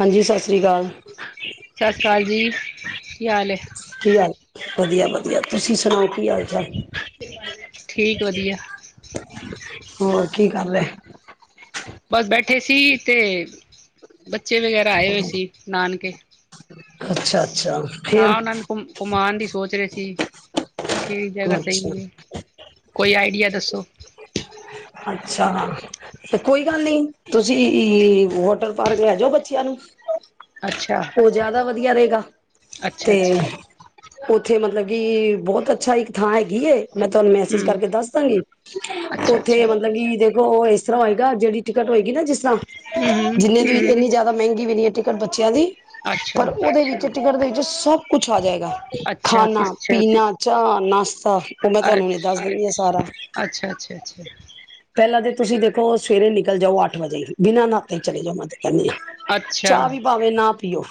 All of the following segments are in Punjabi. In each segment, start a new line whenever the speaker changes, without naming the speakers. ਹਾਂਜੀ ਸਤਿ ਸ੍ਰੀ ਅਕਾਲ।
ਸਤਿ ਸ਼੍ਰੀ ਅਕਾਲ ਜੀ ਕੀ ਹਾਲ ਏ?
ਕੀ ਹਾਲ ਵਧੀਆ-ਵਧੀਆ। ਤੁਸੀਂ ਸੁਣਾਓ ਕੀ ਹਾਲ ਚਾਲ?
ਠੀਕ ਵਧੀਆ।
ਹੋਰ ਕੀ ਕਰ ਲਿਆ।
ਬਸ ਬੈਠੇ ਸੀ ਤੇ ਬੱਚੇ ਵਗੈਰਾ ਆਏ ਹੋਏ ਸੀ ਨਾਨਕੇ।
ਅੱਛਾ-ਅੱਛਾ ਫੇਰ
ਹਾਂ ਉਹਨਾਂ ਨੂੰ ਘੁ ਘੁਮਾਉਣ ਦੀ ਸੋਚ ਰਹੇ ਸੀ। ਕਿਹੜੀ ਜਗਾ
ਅੱਛਾ
ਸਹੀ ਹੈ। ਕੋਈ ਆਈਡੀਆ ਦੱਸੋ।
ਅੱਛਾ ਤੇ ਕੋਈ ਗੱਲ ਨੀ ਤੁਸੀਂ ਈ ਵਾਟਰ ਪਾਰਕ ਲੇ ਜਾਓ ਬੱਚਿਆਂ ਨੂੰ।
ਅੱਛਾ
ਉਹ ਜ਼ਿਆਦਾ ਵਧੀਆ ਰਹੇਗਾ
ਅੱਛਾ
ਤੇ
ਅੱਛਾ
ਉੱਥੇ ਮਤਲਬ ਕਿ ਬਹੁਤ ਅੱਛਾ ਇੱਕ ਥਾਂ ਹੈਗੀ ਏ। ਮੈਂ ਤੁਹਾਨੂੰ ਮੈਸੇਜ
ਹਮ
ਕਰਕੇ ਦੱਸ ਦਾਂਗੀ ਓ
ਅੱਛਾ ਅੱਛਾ
ਇੱਥੇ ਮਤਲਬ ਕਿ ਦ ਉਹ ਇਸ ਤਰ੍ਹਾਂ ਹੋਏਗਾ ਜਿਹੜੀ ਟਿਕਟ ਹੋਏਗੀ ਨਾ ਜਿਸ ਤਾਂ
ਹਮ ਹਮ
ਜਿੰਨੇ ਦੀ ਇੰਨੀ ਜਾਦਾ ਮਹਿੰਗੀ ਵੀ ਨੀ ਟਿ ਟਿਕਟ ਬੱਚਿਆਂ ਦੀ, ਪਰ
ਅੱਛਾ
ਉਹਦੇ ਵਿੱਚ ਟਿਕਟ ਦੇ ਵਿੱਚ ਸਭ ਕੁਛ ਆ ਜਾਏਗਾ
ਅੱਛਾ ਕਿਸ
ਖਾਣਾ-ਪੀਣਾ। ਚਾਅ ਨਸ ਤਾਂ ਉਹ ਮੈਂ
ਅੱਛ
ਤੁਹਾਨੂੰ ਦੱਸ ਦਿੰਦੀ ਆ ਸਾਰਾ।
ਅੱਛਾ ਅੱਛਾ ਅੱਛਾ
ਪਹਿਲਾਂ ਤਾਂ ਤੁਸੀਂ ਦੇਖੋ ਸਵੇਰੇ ਨਿਕਲ ਜਾਓ ਅੱਠ ਵਜੇ ਹੀ ਬਿਨਾਂ ਨਾਤੇ ਚਲੇ ਜਾਓ ਮਤੇ ਹਾਂਜੀ,
ਅੱਛਾ
ਚਾਅ ਵੀ ਪਾਵੇ ਨਾ ਪੀਓ।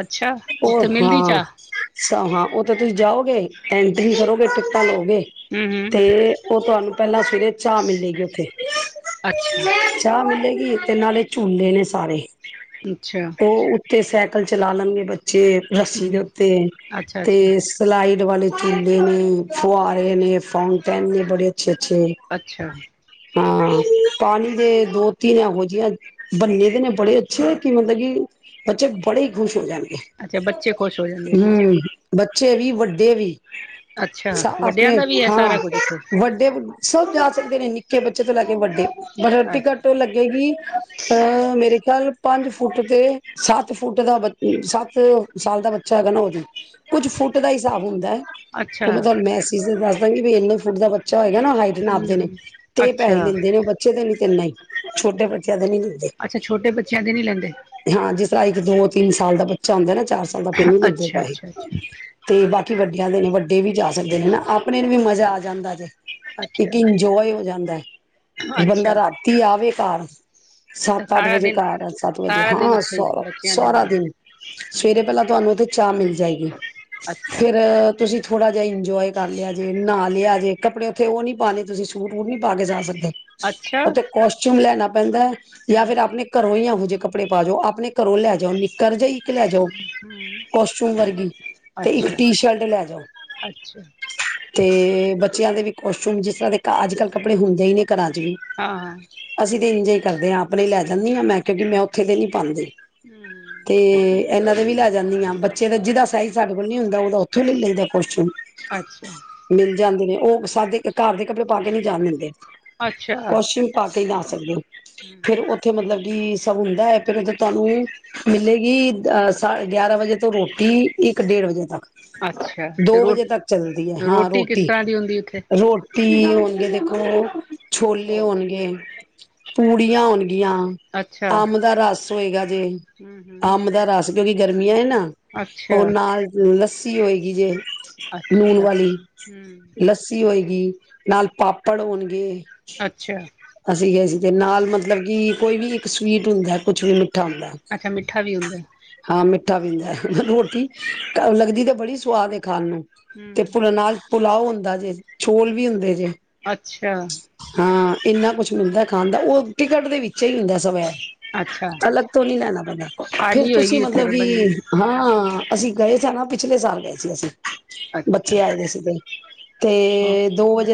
ਅੱਛਾ
ਉਹ
ਉੱਥੇ ਮਿਲਦੀ
ਹਾਂ,
ਚਾਹ
ਸਾਂ ਹਾਂ ਉਹ ਤੇ ਤੁਸੀਂ ਜਾਓਗੇ ਐਂਟਰੀ ਕਰੋਗੇ ਟਿਕਟਾਂ ਲਓ ਗੇ
ਹਮ ਹਮ
ਤੇ ਔਹ ਤੁਹਾਨੂੰ ਪਹਿਲਾਂ ਸਵੇਰੇ ਚਾੱ ਮਿਲੇਗੀ ਉੱਥੇ
ਅੱਛਾ
ਚਾੱ ਮਿਲ ਲੇਗੀ ਤੇ ਨਾਲੇ ਝੂਲੇ ਨੇ ਸਾਰੇ।
ਅੱਛਾ।
ਤੇ ਸਾਈਕਲ ਚਲਾ ਲਣਗੇ ਬੱ ਚੇ ਰੱਸੀ
ਹਮ
ਦੇ ਉੱਤੇ
ਅੱਛਾ
ਤੇ
ਅੱਛਾ
ਸਿਲਾਈ ਵਾਲੇ ਝੂਲੇ ਨੇ, ਫੂਆਰੇ ਨੇ, ਫਾੳਟੇਨ ਨੇ ਬੜੇ ਅੱਛੇ-ਅੱਛੇ।
ਅੱਛਾ।
ਹਾਂ, ਪਾਣੀ ਦੇ ਦੋ-ਤਿੰਨ ਇਹੋ ਜਿਹੀਆਂ ਬੰਨੇ ਦੇ ਨੇ ਬੜੇ ਅੱਛੇ ਕਿ ਮਤਲਬ ਕਿ ਬੱਚੇ ਬੜੇ ਹੀ ਖੁਸ਼ ਹੋ ਜਾਣ
ਅੱਛਾ ਬੱਚੇ ਖੁਸ਼ ਹੋ ਜਾਣਗੇ
ਹੂੰ ਬੱਚੇ ਵੀ, ਵੱਡੇ ਵੀ
ਅੱਛਾ ਵੱਡਿਆਂ
ਆਪਣੇ
ਦਾ ਵੀ ਹੈ
ਹਾਂ
ਸਾਰਾ ਕੁੱਝ ਉੱਥੇ
ਵੱਡੇ ਸਭ ਜ਼ਿਆਦਾ ਸਕਦੇ ਨੇ ਨਿੱਕੇ ਬੱਚੇ ਤੋਂ ਲੈ ਕੇ ਵੱਡੇ ਪਰ
ਅੱਛਾ
ਟਿਕਟ ਲੱਗੇਗੀ ਔ ਮੇਰੇ ਕੱਲ ਪੰਜ ਫੁੱਟ ਤੇ ਸੱਤ ਫੁੱਟ ਦਾ ਬਚ ਸੱਤ ਸਾਲ ਦਾ ਬੱਚਾ ਹੈਗਾ ਨਾ ਉਹਦੇ ਕੁੱਝ ਫੁੱਟ ਦਾ ਈ ਹਿਸਾਬ ਹੁੰਦਾ ਹੈ।
ਅੱਛਾ
ਉਹ ਮੈਂ ਤੁਹਾਨੂੰ ਮੈਸਿਜ਼ ਤੇ ਦੱਸ ਬੜੀ ਵੀ ਇੰਨੇ ਫੁੱਟ ਦਾ ਬੱਚ ਬੱਚਾ ਹੋਏਗਾ ਨਾ ਹਾਈਟ ਨਾਪਦੇ ਨੇ।
ਹਮ
ਤੇ
ਅੱਛਾ
ਪੈਹੇ ਲੈਂਦੇ ਨੇ ਬੱਚੇ ਦੇ ਤੇ ਨਹੀਂ ਛੋਟੇ ਬੱਚੇ
ਅੱਛਾ, ਛੋਟੇ ਬੱਚਿਆਂ ਦੇ ਨਹੀਂ ਲੈਂਦੇ।
ਤਾਂ ਇੱਕ, ਦੋ, ਤਿੰਨ ਸਾਲ ਦਾ ਬੱਚਾ ਹੋੰਦਾ ਨਾ ਚਾਰ ਸਾਲ ਦਾ ਫਿਰ ਨੀ ਲਿੰਦੇ
ਅੱਛਾ
ਪੈਹੇ
ਅੱਛਾ ਅੱਛਾ
ਤੇ ਬਾਕੀ ਤੇ ਵੱਡਿਆਂ ਦੇ ਵੀ, ਵੱਡੇ ਵੀ ਜਾ ਸਕਦੇ ਨੇ ਹੈਨਾ ਆਪਣੇ ਨੂੰ ਵੀ ਮਜ਼ਾ ਆ ਜਾਂਦਾ ਜੇ
ਅੱਛਾ
ਇੱਕ ਇੰਜੋਏ ਹੋ ਜਾਂਦਾ ਹੈ। ਬੰਦਾ
ਅੱਛਾ
ਰਾਤੀ ਆਵੇ ਘਰ
ਅੱਛਾ
ਸੱਤ ਅੱਠ
ਸਾਰਾ
ਵਜੇ
ਦਿਨ
ਘਰ ਆ ਸੱਤ ਵਜੇ
ਸਾਰਾ ਦਿਨ
ਹਾਂ ਸ
ਉੱਥੇ ਹੀ ਬੱਚਿਆਂ ਦੇ
ਸਾਰਾ
ਨਾਲ
ਦਿਨ ਸਵੇਰੇ
ਹੂੰ,
ਪਹਿਲਾਂ ਤੁਹਾਨੂੰ ਚਾਹ ਮਿਲ ਜਾਏਗੀ।
ਅੱਛਾ
ਫਿਰ ਤੁਸੀਂ ਥੋੜਾ ਜਿਹਾ ਇੰਜੋਏ ਕਰ ਲਿਆ, ਜੇ ਨਹਾ ਲਿਆ ਜੇ ਕਪੜੇ ਉਥੇ ਉਹ ਨੀ ਪਾਣੇ ਤੁਸੀਂ ਸੂਟ ਉਹ ਨੀ ਪਾ ਕੇ ਜਾ ਸਕਦੇ
ਅੱਛਾ
ਉਥੇ ਕੋਸਟਿਊਮ ਲੈਣਾ ਪੈਂਦਾ। ਜਾਂ
ਹਮ
ਫਿਰ ਆਪਣੇ ਘਰੋਂ ਹੀ ਜੇ ਕੱਪੜੇ ਪਾ ਜਾਓ ਆਪਣੇ ਘਰੋ ਲੈ ਜਾਓ ਨੀ ਕਰਜ਼ਾ ਇੱਕ ਲੈ ਜਾਓ
ਹਮ
ਕਾਸਟਿਊਮ ਵਰਗੀ ਤੇ ਇੱਕ
ਅੱਛਾ
ਟੀ- ਸ਼ਰਟ ਲੈ ਜਾਓ
ਅੱਛਾ
ਤੇ ਬਚ ਬੱਚਿਆਂ ਦੇ ਵੀ ਕੋਸਟੂਮ ਜਿਸ ਤਰਾਂ ਦੇ ਤਾਂ ਅੱਜ-ਕੱਲ ਕੱਪੜੇ ਹੁੰਦੇ ਹੀ ਨੇ ਘਰਾਂ ਚ ਵੀ
ਹਾਂ
ਅਸੀਂ ਇੰਜੇ ਕਰਦੇ ਹਾਂ ਆਪਣੇ ਲੈ ਜਾਂਦੀ ਹਾਂ, ਮੈਂ ਕਿਉਂਕੀ ਮੈਂ ਉਥੇ ਦੇ ਨੀ ਪਾਂਦੀ।
ਹੂੰ।
ਇਹਨਾਂ ਦੇ ਵੀ ਲੈ ਜਾਂਦੀਆਂ ਬੱਚੇ ਦਾ ਜਿਹਦਾ ਸਾਈਜ਼ ਸਾਡੇ ਕੋਲ ਨਹੀਂ ਹੁੰਦਾ, ਉਹਦਾ ਉਥੋਂ ਹੀ ਲੈ ਲਈ ਦਾ ਕਾਸਟਿਊਮ।
ਅੱਛਾ
ਮਿਲ ਜਾਂਦੇ ਨੇ। ਉਹ ਸਾਡੇ ਘਰ ਦੇ ਕੱੜੇ ਪਾ ਕੇ ਨੀ ਜਾਨ ਦਿੰਦੇ।
ਅੱਛਾ।
ਨਈ ਜਾ ਸਕਦੇ ਹੋ।
ਹਮ
ਫੇਰ ਉਥੇ ਮਤਲਬ ਏਹ ਸਭ ਹੁੰਦਾ ਏ, ਫਿਰ ਓਥੇ ਤੁਹਾਨੂੰ ਮਿਲੇਗੀ ਅ ਸਾ ਗਿਆਰਾਂ ਵਜੇ ਤੋਂ ਰੋਟੀ ਇੱਕ ਡੇਢ ਵਜੇ ਤੱਕ।
ਅੱਛਾ ਤੇ
ਦੋ
ਰੋ
ਵਜੇ ਤੱਕ ਚੱਲਦੀ ਏ, ਹਾਂ
ਕਿਸ
ਰੋਟੀ
ਤਰ੍ਹਾਂ ਦੀ ਹੁੰਦੀ ਉੱਥੇ
ਰੋ ਕੀ ਹੋਨਗੇ ਦੇਖੋ ਛੋਲੇ ਹੋਨਗੇ, ਪੂੜੀਆਂ ਹੋਨ ਗੀਆਂ
ਅੱਛਾ
ਅੰਮ ਦਾ ਰਸ ਹੋਏਗਾ। ਜੇ
ਹਮ ਹਮ
ਅੰਬ ਦਾ ਰਸ ਜੇੜੀ ਗਰਮੀਆਂ ਏ ਨਾ।
ਅੱਛਾ
ਹੋਰ ਨਾਲ ਲਸ ਸੀ ਹੋਗੀ ਜੇ
ਅੱਛਾ
ਨੂਣ
ਅੱਛਾ
ਵਾਲੀ
ਹਮ
ਲੱਸੀ ਹੋਈ। ਈ। ਨਾਲ ਪਾਪੜ ਹੋਨਗੇ।
ਅੱਛਾ,
ਅਸੀਂ ਗਏ ਸੀ ਤੇ ਨਾਲ ਮਤਲਬ ਕਿ ਕੋਈ ਵੀ ਇੱਕ ਸਵੀਟ ਹੁੰਦਾ ਐ, ਕੁਛ ਵੀ। ਮਿੱਠਾ ਹੁੰਦਾ ਐ,
ਅੱਛਾ ਮਿੱਠਾ ਵੀ ਹੁੰਦਾ।
ਹਾਂ ਮਿੱਠ ਠਾ ਵੀ ਹੁੰਦਾ ਐ। ਰੋਟੀ ਲੱਗਦੀ ਤੇ ਬੜੀ ਸਵਾਦ ਏ। ਖਾਨ ਨੂੰ ਤੇ
ਹੂੰ।
ਫੁਲ ਨਾਲ ਪੁਲਾਓ ਹੁੰਦਾ ਜੇ ਚੋਲ ਵੀ ਹੁੰਦੇ ਜੇ।
ਅੱਛਾ।
ਹਾਂ ਇੰਨਾ ਕੁਛ ਮਿਲਦਾ ਏ ਖਾਨ ਦਾ। ਉਹ ਟਿਕਟ ਦੇ ਵਿੱਚ ਹੀ ਹੁੰਦਾ ਸਬ ਐ।
ਅੱਛਾ
ਅਲੱਗ ਤੋਂ ਨੀ ਲੈਨਾ ਪੈਂਦਾ, ਫੇਰ
ਥਾਲੀ
ਤੁਸੀਂ
ਹੋਏਗੀ ਉੱਥੇ
ਮਤਲਬ
ਫਿਰ
ਵੀ
ਬਣੀ
ਹਾਂ। ਅਸੀਂ ਗਏ ਸਾਂ ਨਾ ਪਿਛਲੇ ਸਾਲ ਗਏ ਸੀ ਅਸੀ।
ਅੱਛਾ
ਬੱਚੇ ਆਏ ਦੇ ਸੀਗੇ।
ਹਾਂ,
ਤੇ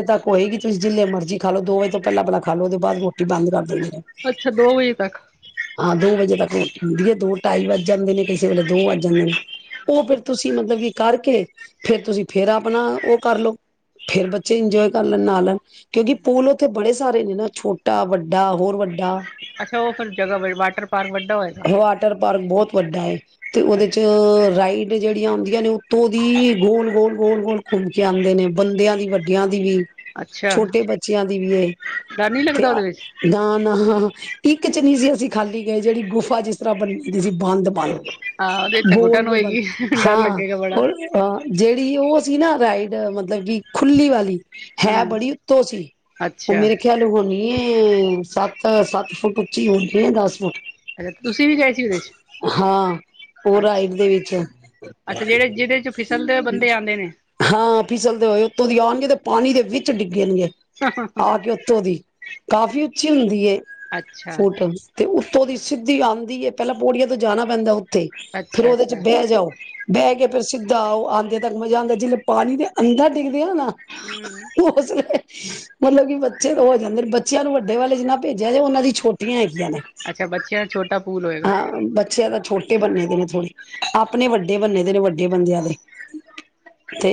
ਤੱਕ ਹੋਏਗੀ ਚੀਜ ਜਿਨੀ ਮਰਜੀ ਖਾ ਲੋ ਦੋ ਵਜੇ ਤੋਂ ਪਹਿਲਾ, ਪਹਿਲਾ ਖਾ ਲੋ ਉਹਦੇ ਬਾਦ ਰੋਟੀ ਬੰਦ ਕਰ ਦੇਨੀ
ਅੱਛਾ ਦੋ ਵਜੇ ਤੱਕ।
ਦੋ ਵਜੇ ਰੋਟੀ ਹੁੰਦੀ ਏ ਦੋ ਢਾਈ ਵੱਜ ਜਾਂਦੇ ਨੇ ਕਿਸੇ ਵੇਲੇ ਦੋ ਵੱਜ ਜਾਂਦੇ ਨੇ। ਉਹ ਫੇਰ ਤੁਸੀਂ ਮਤਲਬ ਕਿ ਕਰਕੇ ਫੇਰ ਤੁਸੀ ਫੇਰ ਆਪਣਾ ਉਹ ਕਰਲਓ ਫੇਰ ਜੇ ਇੰਜੋਏ ਕਰ ਲੈਨ ਨਾ ਲੈਨ। ਕਿਉਂਕਿ ਪੂਲ ਓਥੇ ਬੜੇ ਸਾਰੇ ਨੇ ਨਾ ਛੋਟਾ-ਵੱਡਾ ਹੋਰ ਵੱਡਾ।
ਅੱਛਾ ਉਹ ਫਿਰ ਜਗ੍ਹਾ ਬੀ ਵਾਟਰ ਪਾਰਕ ਵੱਡਾ ਹੋਏਗਾ,
ਵਾਟਰ ਪਾਰਕ ਬਹੁਤ ਵੱਡਾ। ਤੇ ਉਹਦੇ
ਅੱਛਾ
ਚ ਰਾਈਟ ਤੇ ਜਿਹੜੀਆਂ ਆਉਂਦੀਆਂ ਨੇ ਉਤੋਂ ਦੀ ਗੋਲ-ਗੋਲ- ਗੋਲ- ਗੋਲ ਘੁੰਮ ਕੇ ਆਉਂਦੇ ਨੇ ਬੰਦਿਆਂ ਦੀ ਵੱਡਿਆਂ ਦੀ ਵੀ
ਅੱਛਾ
ਛੋਟੇ ਬੱਚਿਆਂ ਦੀ ਵੀ ਏ
ਡਰ ਨੀ
ਤੇ
ਲੱਗਦਾ ਉਹਦੇ ਵਿੱਚ?
ਅ ਦਾ ਨਾ ਇੱਕ ਚ ਨੀਸੀ ਅਸੀ ਖਾਲੀ ਗਏ ਜਿਹੜੀ ਗੁਫ ਆ ਜਿਸ ਤਰ੍ਹਾਂ ਬਣੀ ਦੀ ਸੀ ਬੰਦ-ਬੰਦ।
ਹਾਂ ਉਹਦੇ ਤਾਂ ਘੁਟਨ
ਗੋਲ-ਗੋਲ
ਹੋਏਗੀ ਡਰ
ਹਾਂ
ਲੱਗੇਗਾ ਬੜਾ
ਉਹ ਅਹ ਜਿਹੜੀ ਉਹ ਸੀ ਨਾ ਰਾਈਟ ਮਤਲਬ ਕਿ ਖੁੱਲੀ ਵਾਲੀ। ਹੈ
ਹੂੰ,
ਬੜੀ ਉਤੋਂ ਸੀ ਉਹ
ਅੱਛਾ।
ਮੇਰੇ ਖਿਆਲ ਹੁਣੀ। ਏ ਸੱਤ-ਸੱਤ ਫੁਟ ਉੱਚੀ ਹੋਂਦੀ ਦਸ ਫੁੱਟ।
ਅੱਛਾ ਤੁਸੀਂ ਵੀ ਗਏ ਸੀ ਉਹਦੇ ਚ
ਹਾਂ ਉਹ ਰਾਈਟ
ਅੱਛਾ,
ਦੇ ਵਿੱਚ,
ਅੱਛਾ ਜਿਹੜੇ ਜਿਹਦੇ ਚ ਫਿਸਲਦੇ ਹੋਏ ਬੰਦੇ ਆਂਦੇ ਨੇ।
ਹਾਂ ਫਿਸਲਦੇ ਹੋਏ ਉਥੋਂ ਦੀ ਆਣਗੇ ਤੇ ਪਾਣੀ ਦੇ ਵਿੱਚ ਡਿਗਣਗੇ। ਆ ਕੇ ਉੱਥੋਂ ਦੀ ਕਾਫ਼ੀ ਉੱਚੀ ਹੁੰਦੀ ਏ
ਅੱਛਾ,
ਫੁੱਟ ਤੇ ਤੋ ਔਹਦੀ ਸਿੱਧੀ ਆਂਦੀ ਏ ਪਹਿਲਾਂ ਪੌੜੀਆਂ ਤੋਂ ਜਾਣਾ ਪੈਂਦਾ ਉੱਥੇ ਫਿਰ
ਅੱਛਾ,
ਉਹਦੇ ਚ
ਅੱਛਾ
ਬੈ ਜਾਓ ਬੈ ਕੇ
ਹੂੰ,
ਫਿਰ ਜਾ ਆਂਦੇ ਤੱਕ ਮਜ਼ਾ ਆਂਦਾ ਜਦ ਪਾਣੀ ਦੇ ਅੰਦਰ ਡਿੱਗਦੇ ਆ ਨਾ
ਹੂੰ,
[unintelligible] ਮਤਲਬ ਕਿ ਬੱਚੇ ਤਾਂ ਹੋ ਜਾਂਦੇ ਨੇ ਬੱਚਿਆਂ ਨੂੰ ਵੱਡੇ ਵਾਲੇ ਚ ਨਾ ਭੇਜਿਆ ਜੇ ਉਹਨਾਂ ਦੀ ਛੋਟੀਆਂ ਹੈ ਲੈਣੇ।
ਅੱਛਾ ਬੱਚਿਆਂ ਦਾ ਛੋਟਾ ਪੂਲ ਹੋਏਗਾ।
ਹਾਂ, ਬੱਚੇ ਦਾ ਛੋਟੇ ਬੰਨੇ ਦੇ ਨੇ ਥੋਡੇ। ਆਪਣੇ ਵੱਡੇ ਬੰਨੇ ਦੇ ਨੇ ਵੱਡੇ ਬੰਦਿਆਂ ਦੇ। ਤੇ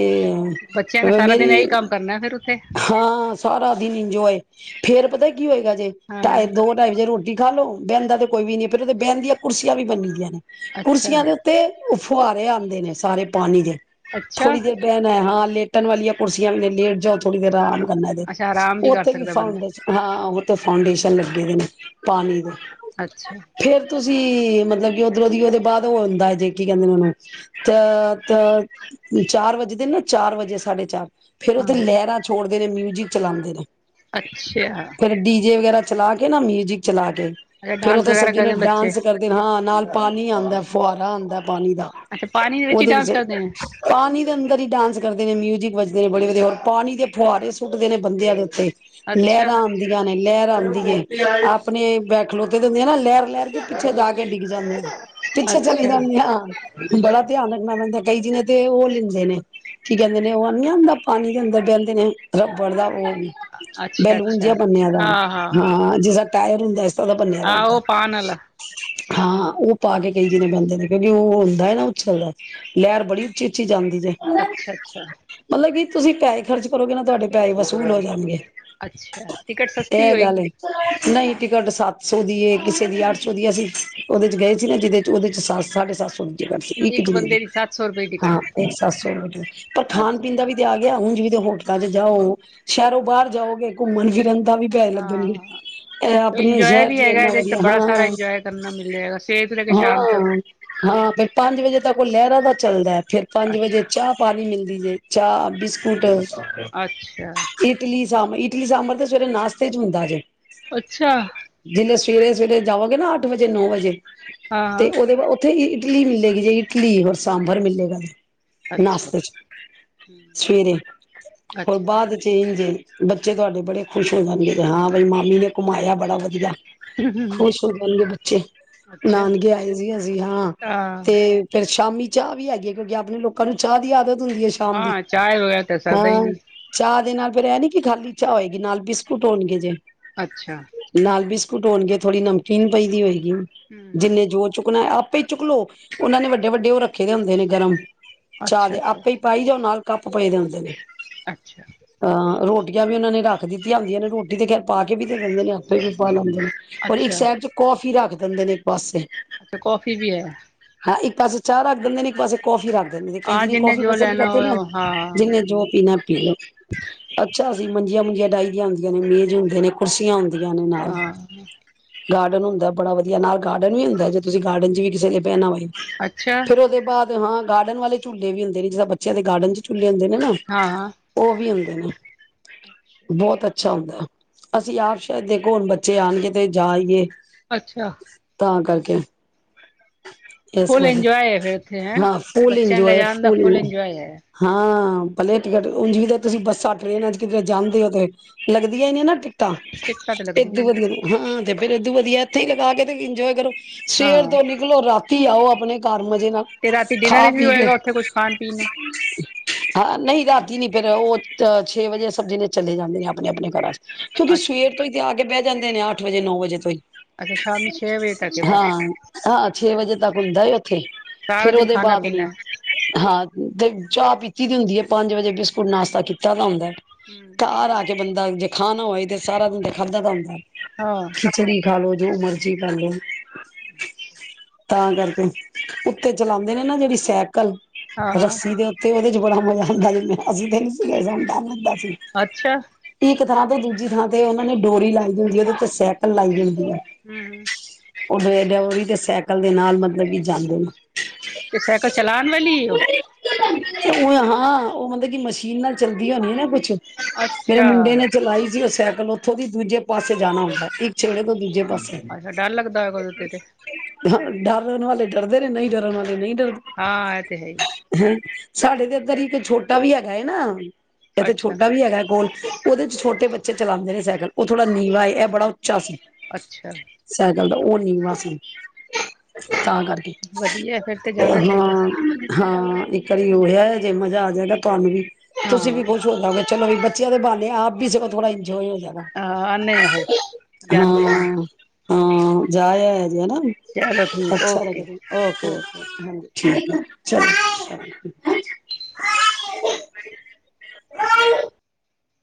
ਬੱਚਿਆਂ ਨੇ ਸਾਰਾ ਦਿਨ
ਮੇਰੀ,
ਇਹੀ ਕੰਮ ਕਰਨਾ ਫਿਰ ਉੱਥੇ
ਹਾਂ ਸਾਰਾ ਦਿਨ ਇੰਜੋਏ। ਫਿਰ ਪਤਾ ਕੀ ਹੋਏਗਾ ਜੇ ਟਾ-ਦੋ
ਹਾਂ
ਟਾਈਮ ਦੋ-ਟਾਈ ੜਜੇ ਰੋਟੀ ਖਾ ਲੋੋ ਬੈਂਦਾ ਤੇ ਕੋਈ ਵੀ ਨਹੀਂ ਪਰ ਉਹਦੇ ਬਹਿਣ ਦੀਆਂ ਕੁਰਸੀਆਂ ਵੀ ਬੰਨੀ ਦੀਆਂ ਨੇ।
ਅੱਛਾ
ਕੁਰਸੀਆਂ ਦੇ ਉੱਤੇ ਫੁਹਾਰੇ ਆਂਦੇ ਨੇ ਸਾਰੇ ਪਾਣੀ ਦੇ।
ਅੱਛਾ
ਥੋੜੀ ਦੇਰ ਬਹਿਣਾ ਹੈ, ਹਾਂ ਲੇਟ ਲੇਟਣ ਵਾਲੀਆਂ ਕੁਰਸੀਆਂ ਵੀ ਨੇ, ਲੇਟ ਜਾਓ ਥੋੜੀ ਦੇਰ ਆਰਾਮ
ਅੱਛਾ ਆਰਾਮ
[unintelligible]
ਕਰ
ਉੱਥੇ ਵੀ
ਸਕਦਾ
[unintelligible]
ਬੰਦਾ
ਹਾਂ ਫਾਊਂਨਡੇਸ਼ਨ ਲੱਗੇ ਨੇ ਪਾਣੀ ਦੇ।
ਅੱਛਾ।
ਫੇਰ ਤੁਸੀਂ ਮਤਲਬ ਕਿ ਉਧਰੋਂ ਦੀ ਉਹਦੇ ਬਾਅਦ ਉਹ ਹੁੰਦਾ ਜੇ, ਕੀ ਕਹਿੰਦੇ ਨੇ ਉਹਨੂੰ ਤ-ਤ ਚਾਰ ਵੱਜਦੇ ਨਾ, ਚਾਰ ਵਜੇ ਸਾਢੇ ਚਾਰ ਫੇਰ ਉੱਥੇ
ਹਾਂ
ਲਹਿਰਾਂ ਛੋੜ ਮਿਊਜ਼ਿਕ ਚਲਾਂਦੇ ਨੇ।
ਅੱਛਾ।
ਫੇਰ ਡੀਜੇ ਵਗੈਰਾ ਚਲਾ ਕੇ ਨਾ, ਮਿਊਜਿਕ ਚਲਾ ਕੇ
ਅੱਛਾ
ਫੇਰ
ਡਾਂਸ
ਉੱਥੇ ਸਭ
ਵਗੈਰਾ
ਜਨੇ
ਕਰਦੇ ਨੇ ਬੱਚੇ
ਡਾਂਸ ਕਰਦੇ ਹਾਂ ਨਾਲ, ਪਾਣੀ ਆਂਦੇ ਫੁਹਾਰਾ ਆਂਦੇ ਪਾਣੀ ਦਾ
ਅੱਛਾ ਪਾਣੀ ਦੇ ਹੀ
ਉਹਦੇ
ਡਾਂਸ
ਵਿੱਚ
ਕਰਦੇ ਨੇ
ਪਾਣੀ ਦੇ ਅੰਦਰ ਹੀ ਡਾਂਸ ਕਰਦੇ ਨੇ, ਮਿਊਜਿਕ ਵ ਨੇ ਬੜੇ ਵਧੀਆ ਹੋਰ ਪਾਣੀ ਦੇ ਫੁਹਾਰੇ ਸੁੱਟਦੇ ਨੇ ਬੰਦਿਆਂ ਦੇ ਉੱਤੇ।
ਅੱਛਾ
ਲਹਿਰਾਂ ਆਉਂਦੀਆਂ ਨੇ ਲਹਿਰਾਂ ਆਂਦੀ ਏ, ਆਪਣੇ ਬ ਖਲੋਤੇ ਹੁੰਦੇ ਆ ਨਾ, ਲਹਿਰ ਲੈਰ ਕੇ ਪਿੱਛੇ ਜਾ, ਕੇ ਡਿੱਗ ਜਾਂਦੇ ਨੇ। ਪਿੱਛੇ ਚਲੇ
ਅੱਛਾ
ਜਾਨੇ ਹਾਂ, ਬੜਾ ਧਿਆਨ ਰਖਨਾ ਪੈਂਦਾ। ਕਈ ਜੀਨੇ ਤੇ, ਉਹ ਲੈਂਦੇ ਨੇ, ਕੀ ਕਹਿੰਦੇ ਨੇ, ਉਹ ਨ ਹੁੰਦਾ ਪਾਣੀ ਦੇ ਅੰਦਰ ਬਹਿੰਦੇ ਨੇ ਰਬੜ ਦਾ ਉਹ।
ਅੱਛਾ
ਬੈਲੂਨ ਜਿਆ
ਅੱਛਾ
ਬੰਨਿਆ ਦਾ,
ਹਾਂ
ਹਾਂ, ਜਿਸਾ ਤਾਇਰ ਹੁੰਦਾ। ਸ ਦਾ ਬੰਨਿਆ ਦਾ ਹੁੰਦਾ।
ਆਹੋ ਪਾਨ ਵਾਲਾ
ਹਾਂ, ਉਹ ਪਾ ਕੇ ਕਈ ਜਣੇ ਬੈਂਦੇ ਨੇ, ਕਿਉਂਕਿ ਉਹ ਹੁੰਦਾ ਨਾ ਉਛਲਦੈ ਲੈਰ ਬੜੀ ਉੱਚੀ, ਉੱਚੀ ਜਾਂਦੀ। ਜੈ,
ਅੱਛਾ ਅੱਛਾ
ਮਤਲਬ ਕੀ। ਤੁਸੀਂ ਪੈਹੇ ਖਰਚ ਕਰੋਗੇ ਨਾ, ਤੁਹਾਡੇ ਪੈਹੇ ਵਸੂਲ ਹੋ ਜਾਣਗੇ।
ਅੱਛਾ ਟਿਕਟ ਸਸਤੀ
ਇਹ ਗੱਲ
ਹੋਏਗੀ
ਏ, ਨਹੀਂ ਤਿਕਟ ਸਤ ਸੌ ਦੀਏ, ਕਿਸੇ ਦੀ ਅੱਠ ਸੌ ਦੀ ਏ, ਅਸੀਂ ਉਹਦੇ ਚ ਗਏ ਸੀ ਨਾ ਜਿਹਦੇ ਚ ਉਹਦੇ ਚ ਸੱਤ- ਸਾਢੇ ਸੱਤ ਸੌ ਦੀ। ਇੱਕ ਜਣੇ ਦੀ,
ਬੰਦੇ ਸੱਤ ਸੌ ਰੁਪਏ ਟਿਕਟ
ਹਾਂ, ਇਹ ਸੱਤ ਸੌ ਪਰ ਖਾਣ,
ਅੱਛਾ
ਪੀਣ ਦਾ ਵੀ ਤੇ, ਆ ਗਿਆ, ਉਂਜ ਵੀ। ਹੋਟਲਾ ਚ ਜਾਓ। ਸ਼ਹਿਰੋਂ ਬਾਹਰ ਜਾਓਗੇ। ਮਨ ਜੀ ਰਨ। ਦਾ ਵੀ ਪੈਹੇ ਲੱਗਣਗੇ
ਹਾਂ
ਇਹ ਆਪਣੀ
ਇੰਜੋਏ
ਸ਼ਹਿਰ।
ਵੀ
ਜੀ
ਹੈਗਾ
ਇਨ੍ਹਾਂ
ਇਹਦੇ ਚ ਤਾਂ
ਵਧੀਆ
ਬੜਾ ਸਾਰਾ
ਹਾਂ,
ਇੰਜੋਏ ਕਰਨਾ ਮਿਲ ਜਾਏਗਾ ਸਵੇਰ ਤੋਂ ਲੈ ਕੇ ਸ਼ਾਮ ਤੱਕ
ਹਾਂ, ਹਾਂ ਫਿਰ ਪੰਜ ਵਜੇ ਤੱਕ ਉਹ ਲਹਿਰਾਂ ਦਾ ਚੱਲਦਾ ਫੇਰ ਪੰਜ
ਅੱਛਾ
ਵਜੇ ਚਾਹ ਪਾਣੀ ਮਿਲ ਦੀ ਜੇ ਚਾਹ ਬਿਸਕੁਟ।
ਅੱਛਾ,
ਇਟਲੀ ਇਡਲੀ ਸਾਂਬਰ ਤੇ ਸਵੇਰੇ ਨਾਸ਼ਤੇ ਚ ਮਿਲਦਾ ਜੇ
ਅੱਛਾ।
ਜਿਵੇਂ ਸਵੇਰੇ-ਸਵੇਰੇ ਜਾਵਾਂਗੇ ਨਾਂ ਅੱਠ ਵਜੇ ਨੌ ਵਜੇ। ਤੇ
ਹਾਂ।
ਉਹਦੇ ਬਾਅਦ ਓ ਥੇ ਇਟਲੀ ਮਿਲੇਗੀ ਜੇ ਇਟਲੀ ਹੋਰ ਸਾਂਬਰ ਮਿਲੇਗਾ ਜੇ।
ਅੱਛਾ।
ਨਾਸ਼ਤੇ ਚ
ਹੂੰ
ਸਵੇਰੇ ਹੋਰ
ਅੱਛਾ,
ਬਾਅਦ ਚ ਇੰਝੇ ਬੱਚੇ ਤੁਆਡੇ ਬੜੇ ਖੁਸ਼ ਹੋ ਜਾਂਦੇ ਨੇ, ਹਾਂ ਬਈ ਮਾਮੀ ਨੇ ਘੁਮਾਇਆ ਬੜਾ ਵਧੀਆ।
ਹੂੰ
ਖੁਸ਼ ਹੋ ਜਾਣਗੇ ਬੱਚੇ
ਅੱਛਾ
ਨਾਨਕੇ ਆਏ ਸੀ ਅਸੀਂ ਹਾਂ ਤੇ ਫੇਰ ਸ਼ਾਮੀ ਚਾਹ ਵੀ ਹੈਗੀ ਐ ਕਿਉਂਕਿ ਆਪਣੇ ਲੋਕਾਂ ਨੂੰ ਚਾਹ ਦੀ ਆਦਤ ਹੁੰਦੀ ਐ ਸ਼ਾਮ ਦੀ।
ਹਾਂ ਚਾਏ ਵਗੈਰਾ ਤਾਂ ਸਰਦਾ ਈ
ਹਾਂ
ਨੀ
ਚਾ ਦੇ ਨਾਲ ਫਿਰ ਇਹ ਨੀ ਕਿ ਖਾਲੀ ਚਾਹ ਹੋਏਗੀ ਨਾਲ ਬਿਸਕੁਟ ਹੋਣਗੇ ਜੇ।
ਅੱਛਾ।
ਕੁੱਟ ਹੋਣਗੇ ਥੋੜ੍ਹੀ ਨਮਕੀਨ ਪਈ ਦੀ ਹੋਈ
ਹੂੰ
ਜਿੰਨੇ ਜੋ ਚੁੱਕਣਾ ਆਪ ਚੁਕ ਲੋ ਉਹਨਾਂ ਨੇ ਵੱਡੇ-ਵੱਡੇ ਉਹ ਰੱਖੇ ਦੇ ਹੁੰਦੇ ਨੇ ਗਰਮ ਚਾਹ
ਅੱਛਾ,
ਦੇ
ਅੱਛਾ।
ਆਪੇ ਹੀ ਪਾਈ ਜਾਓ ਨਾਲ ਕੱਪ ਪਏਦੇ ਹੁੰਦੇ ਨੇ।
ਅੱਛਾ,
ਹਾਂ ਰੋਟ ਰੋਟੀਆਂ ਵੀ ਉਹਨਾਂ ਨੇ ਰੱਖ ਦਿੱਤੀਆਂ ਹੁੰਦੀਆਂ ਨੇ ਰੋਟੀ ਤੇ ਖੈਰ ਪਾ ਕੇ ਵੀ ਦਿੰਦੇ ਨੇ, ਆਪੇ ਵੀ ਪਾ ਲੈਂਦੇ ਔਰ ਇੱਕ
ਅੱਛਾ,
ਸਾਈਡ ਚ ਕੌਫੀ ਰੱਖ ਦਿੰਦੇ ਨੇ ਇੱਕ ਪਾਸੇ
ਅੱਛਾ ਕੌਫੀ ਵੀ ਐ।
ਇੱਕ ਪਾਸੇ ਚਾਹ ਰੱਖ ਦਿੰਦੇ ਨੇ, ਇੱਕ ਪਾਸ ਕੌਫੀ ਰੱਖ ਦ ਦੇ ਕਈ
ਆ
ਜਨ
ਜਿੰਨੇ
ਕੌਫੀ
ਜੋ
ਪਸੰਦ
ਲੈਣਾ
ਕਰਦੇ
ਹੋਏ
ਨਾ
ਹਾਂ।
ਜਿਹਨੇ ਜੋ ਪੀਣਾ ਪੀ ਲੇ ਅਸੀਂ ਮੰਜੀਆਂ ਮੁੰਜੀਆਂ ਡਾਈਹੀਆਂ ਹੁੰਦੀਆਂ ਨੇ, ਮੇਜ਼ ਹੁੰਦੇ ਨੇ, ਕੁਰਸੀਆਂ ਹੁੰਆਂ ਦੀਆਂ ਨੇ ਨਾਲ
ਹਂ
ਗਾਰਡਨ ਹੁੰਦਾ ਬੜਾ ਵਧੀਆ, ਨਾਲ ਗਾਰਡਨ ਵੀ ਹੁੰਦਾ ਜੇ ਤੁਸੀਂ ਗਾਰਡਨ ਚ ਵੀ ਕਿਸੇ ਨੇ ਬੈਨਾ ਹੋਏ।
ਅੱਛਾ
ਫਿਰ ਉਹਦੇ ਬਾਅਦ ਹਾਂ ਗਾਰਡਨ ਵਾਲੇ ਝੂਲੇ ਵੀ ਹੂੰਦੇ ਨੇਂ ਜਿੱਸਰਾ ਬੱਚਿਆਂ ਦੇ ਗਾਰਡਨ ਚ ਝੂਲੇ ਹੁੰਦੇ ਨੇ ਨਾਂ
ਹਾਂ, ਹਾਂ
ਉਹ ਵੀ ਹੁੰਦੇ ਨਾਂ ਬਹੁਤ ਅੱਛਾ ਅੱਛਾ ਹੁੰਦਾ, ਅਸੀਂ ਆਪ ਸ਼ਾਇਦ ਦੇਖੋ ਹੁਣ ਬੱਚ ਬੱਚੇ ਆਣਗੇ ਤੇ ਜਾਈਏ
ਅੱਛਾ
ਅ
ਫੁਲ ਇੰਜੋਏ ਹੈ ਫੇਿਰ ਉੱਥੇ ਹੈਂ
ਹਾਂ ਫੁੱਲ
ਬੱਚਿਆਂ ਨੂੰ
ਇੰਜੋਏ
ਲੈਜਾਣ ਦਾ ਫੁਲ ਇੰਜੋਏ ਹੈ
ਪਹਿਲੇ ਟਿਕਟ ਉੱਨਜ ਤੁਸੀਂ ਬੱਸਾਂ ਟ੍ਰਰੇਨਾਂ ਚ ਕਿਧਰੇ ਜਾਂਦੇ ਹੋ ਤੇ ਲੱਗਦੀਆਂ ਹੀ ਨੇ ਨਾ ਤਾਂ
ਟਿਕਟਾਂ ਤੇ ਲੱਗਦੀਆਂ
ਏਦੋ
ਨੇ
ਵਧੀਆ ਨੂੰ ਹਾਂ ਤੇ ਫੇਰ ਏਦੋਂ ਵਧੀਆ ਇੱਥੇ ਹੀ ਲਗਾ ਕੇ ਤੇ ਇੰਜੋਏ ਕਰੋ ਸਵੇਰ
ਹਾਂ।
ਤੇ ਨਿਕਲੋ ਰਾਤੀ ਆਓ ਆਪਣੇ ਘਰ ਮਜ਼ੇ ਨਾਲ
ਤੇ ਰਾਤੀ ਡਿਨਰ
ਖਾ-
ਵਿੱਚ ਵੀ
ਪੀ ਕੇ,
ਹੋਏਗਾ ਉੱਥੇ ਕੁਛ ਖਾਣ ਪੀਣ ਨੂੰ
ਹਾਂ ਨਹੀਂ ਰਾਤੀ ਨੀ ਫੇਰ ਉਹ ਤਾਂ ਛੇ ਵਜੇ ਸਭ ਜ਼ਣੇ ਚਲੇ ਜਾਂਦੇ ਨੇ ਆਪਣੇ- ਆਪਣੇ ਘਰਾ 'ਚ ਕਿਉਂਕਿ
ਅੱਛਾ।
ਸਵੇਰ ਤੋਂ ਹੀ ਤੇ ਆ ਕੇ ਬਹਿ ਜਾਂਦੇ ਨੇ ਅੱਠ ਵਜੇ, ਨੌ ਵਜੇ ਤੋਂ ਹੀ
ਅੱਛਾ ਸ਼ਾਮੀ ਛੇ ਵਜੇ ਤੱਕ ਏ ਬਸ
ਹਾਂ, ਛੇ ਵਜੇ ਤੱਕ ਹੁੰਦਾ ਏ ਉੱਥੇ,
ਸਾਰਾ
ਫੇਰ
ਦਿਨ
ਉਹਦੇ
ਖਾਣਾ
ਬਾਅਦ ਨੀ,
ਪੀਣਾ ਹੈ।
ਹਾਂ ਤੇ ਚਾਹ ਪੀਤੀ ਦੀ ਹੁੰਦੀ। ਜ ਪੰਜ ਵਜੇ ਬਿਸਕੁਟ ਨਾਸ਼ਤਾ ਕੀਤਾ ਤਾਂ ਹੁੰਦਾ। ਘਰ ਆ ਗਿਆ। ਬੰਦਾ ਜੇ ਖਾਣਾ ਹੋਏ ਤੇ ਸਾਰਾ ਦਿਨ ਦਾ ਖਾਧਾ ਤਾਂ ਹੁੰਦਾ।
ਹਾਂ
ਖਿਚੜੀ ਖਾਲੋ। ਜੋ ਮਰਜੀ ਕਰ ਲਓ। ਤਾਂ ਕਰਕੇ, ਉੱਤੇ ਚਲਾਉਂਦੇ ਨੇ ਨਾ ਜਿਹੜੀ ਸੈਕ। ਕੱਲ
ਹਾਂ ਹਾਂ
ਰੱਸੀ ਦੇ ਉੱਤੇ। ਬੜਾ ਮਜ਼ਾ ਆਂਦਾ ਜੇ ।ਅਸੀ ਤੇ ਨਈ ਗਏ ਸਾਨੂੰ ਡਰ ਲਗਦਾ
ਅੱਛਾ।
ਇੱਕ ਥਰਾਂ ਤੇ ਦੂਜੀ ਥਾਂ ਤੇ ਉਹਨਾਂ ਨੇ ਡੋਰੀ ਲਾਈ ਹੁੰਦੀ ਹੈ ਉਹਦੇ ਉੱਤੇ ਸੈਕਲ ਲਾਈ ਹੁੰਦੀ। ਹੈ।
ਹਮਮ ।
ਉਹ ਇਹਦਾ ਉਹ ਤੇ ਸਾਈਕਲ ਦੇ ਨਾਲ ਮਤਲਬ ਕਿ ਜਾਂਦੇ ਨੇ।
ਤੇ ਸਾਈਕਲ ਚਲਾਉਣ ਵਾਲੀ ਏ ਉਹ
ਤੇ ਉਹ ਹਾਂ ਉਹ ਮਤਲਬ ਕਿ ਮਸ਼ੀਨ ਨਾਲ ਚੱਲਦੀ ਹੋਣੀ ਨਾ ਕੁੱਛ ਮੇਰੇ
ਅੱਛਾ
ਮੁੰਡੇ ਨੇ ਚਲਾਈ ਸੀ ਉਹ ਸੈ ਪਹਿਲੇ ਉਥੋਂ ਦੀ ਦੂਜੇ ਪਾਸੇ ਜਾਣਾ ਹੁੰਦਾ ਇੱਕ ਛੇੜੇ ਤੋਂ ਦੂਜੇ ਪਾਸੇ
ਅੱਛਾ, ਡਰ ਲੱਗਦਾ ਹੈ ਉਹਦੇ ਤੇ
ਡਰਣ ਵਾਲੇ ਡਰਦੇ ਨੇ ਨਹੀਂ ਡਰਨ ਵਾਲੇ ਨਹੀਂ ਡਰਦੇ
ਹਾਂ ਇਹ ਤੇ ਹੈ ਹੀ।
ਸਾਡੇ ਤੇ ਇੱਧਰ ਹੀ ਇੱਕ ਛੋਟਾ ਵੀ ਹੈਗਾ ਨਾ। ਇੱਥੇ
ਅੱਛਾ
ਛੋਟਾ ਵੀ ਹੈਗਾ ਕੋਲ। ਉਹਦੇ ਚ ਛੋਟੇ ਬੱਚੇ ਚਲਾਉਦੇ ਨੇ ਸਾਈਕਲ ਉਹ ਥੋੜਾ ਨੀਵਾਂ ਹੈ ਇਹ ਬੜਾ ਉਚਾ ਸੀ।
ਅੱਛਾ
ਗੱਲ ਤਾਂ ਉਹ ਨੀਵਾਂ ਸੀ। ਤਾਂ ਕਰਕੇ
ਵਧੀਆ ਫਿਰ ਤੇ ਜਾਣਾ ਚਾਹੀਦਾ
ਹਾਂ-ਹਾਂ ਇੱਕ ਵਾਰੀ ਉਹ ਹੈ। ਜੇ ਮਜ਼ਾ ਆ ਜਾਏਗਾ ਤੁਹਾਨੂ ਵੀ।
ਹਾਂ
ਤੁਸੀਂ ਵੀ ਖੁਸ਼ ਹੋ ਜਾਔਗੇ, ਚਲੋ ਵੀ ਬ ਦੇ ਇਹਦੇ ਬਹਾਨੇ ਆਪ ਵੀੋ ਸਗੋਂ ਥੋੜਾ ਜੋ ਇਓ ਜਗ੍ਹਾ
ਹਾਂ ਆਉਂਦੇ ਫਿਰ
ਹਾਂ।
ਜਾਂਦੇ ਹਾਂ
ਹਾਂ, ਜਾ ਆਏ। ਹੈਨਾ,
ਚਲੋ ਠੀਕ
ਅੱਛਾ,
ਓਕੇ
ਲਗਦੀ
ਓਕੇ ਓਕੇ
ਹਾਂਜੀ ਠੀਕ ਆ। ਚਲੋ [unintelligible]